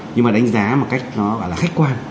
nhưng mà đánh giá một cách nó gọi là khách quan